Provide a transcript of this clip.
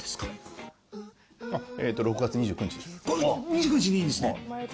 ２９日でいいんですね？